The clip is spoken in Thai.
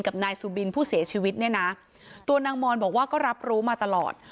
นายสุบินผู้เสียชีวิตเนี่ยนะตัวนางมอนบอกว่าก็รับรู้มาตลอด